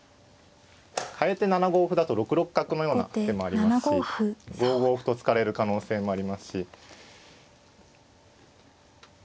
かえて７五歩だと６六角のような手もありますし５五歩と突かれる可能性もありますし。